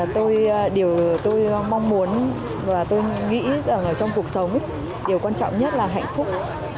tôi mong muốn và tôi nghĩ rằng trong cuộc sống điều quan trọng nhất là hạnh phúc